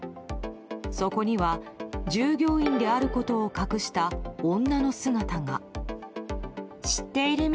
そこには従業員であることを隠した女の姿が。